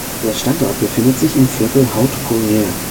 Der Standort befindet sich im Viertel Haut-Poirier.